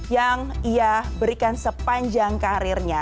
yang ia berikan sepanjang karirnya